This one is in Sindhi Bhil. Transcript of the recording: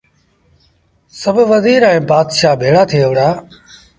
سڀ وزير ائيٚݩ بآتشآ ڀيڙآ ٿئي وهُڙآ